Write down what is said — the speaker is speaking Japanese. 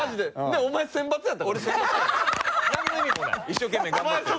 一生懸命頑張って。